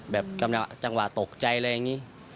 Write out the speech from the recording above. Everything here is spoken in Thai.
กำลังจังหวะตกใจอะไรอย่างนี้